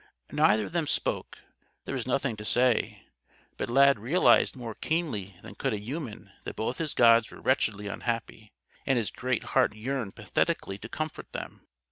Neither of them spoke. There was nothing to say; but Lad realized more keenly than could a human that both his gods were wretchedly unhappy, and his great heart yearned pathetically to comfort them.